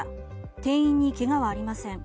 店員にけがはありません。